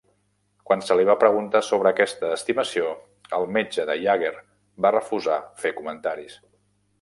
Quan se li va preguntar sobre aquesta estimació, el metge de Yager va refusar fer comentaris.